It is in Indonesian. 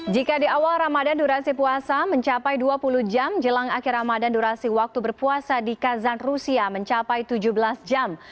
jika di awal ramadan durasi puasa mencapai dua puluh jam jelang akhir ramadan durasi waktu berpuasa di kazan rusia mencapai tujuh belas jam